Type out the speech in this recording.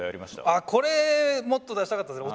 あっこれもっと出したかったっすね。